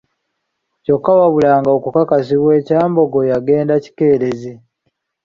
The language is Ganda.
Kyokka wabula nga n'okukakasibwa e Kyambogo yagenda kikeerezi.